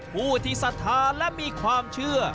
ผู้ที่ศรัทธาและมีความเชื่อ